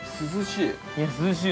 ◆涼しい。